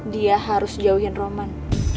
dia harus jauhin roman